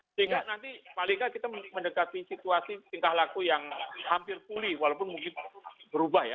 sehingga nanti paling tidak kita mendekati situasi tingkah laku yang hampir pulih walaupun mungkin berubah ya